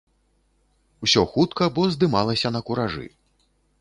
Усё хутка, бо здымалася на куражы.